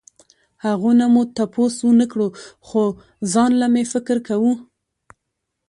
هغو نه مو تپوس ونکړو خو ځانله مې فکر کوو